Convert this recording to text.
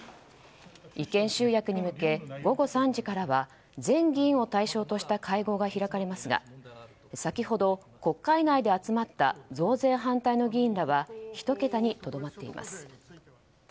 意見集約に向け午後３時からは全議員を対象とした会合が開かれますが先ほど国会内で集まった増税反対の議員らは１桁にとどまっています。